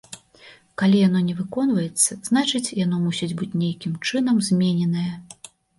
Калі яно не выконваецца, значыць, яно мусіць быць нейкім чынам змененае.